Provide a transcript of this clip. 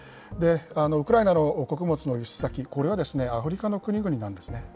ウクライナの穀物の輸出先、これはアフリカの国々なんですね。